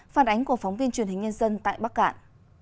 phản ánh của phóng viên truyền hình nhân dân tại bắc cạn